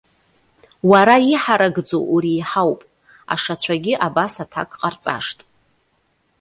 Уара иҳаракӡоу уреиҳауп,- ашацәагьы абас аҭак ҟарҵашт.